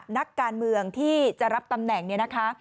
นักการเมืองที่จะรับตำแหน่งเนี่ยนะคะ